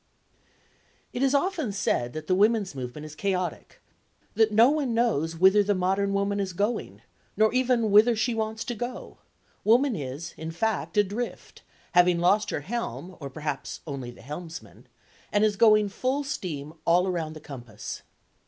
It is often said that the women's movement is chaotic, that no one knows whither the modern woman is going, nor even whither she wants to go; woman is, in fact, adrift, having lost her helm (or perhaps only the helmsman), and is going, full steam, all round the compass.